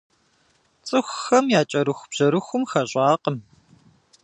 ЦӀыхухэм я кӀэрыхубжьэрыхум хэщӀакъым.